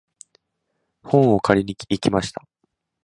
本を借りに行きました。